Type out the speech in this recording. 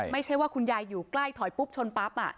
ไม่ใช่ว่าคุณยายอยู่ใกล้ถอยปุ๊บชนปั๊บ